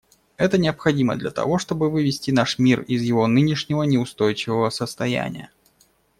Это необходимо для того, чтобы вывести наш мир из его нынешнего неустойчивого состояния.